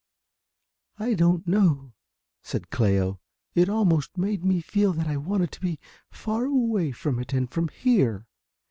"I don't know," said Cléo, "It also made me feel that I wanted to be far away from it and from here.